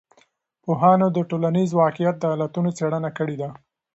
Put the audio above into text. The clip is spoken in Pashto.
پوهانو د ټولنیز واقعیت د علتونو څېړنه کړې ده.